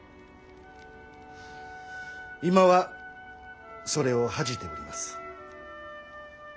今はそれを恥じております。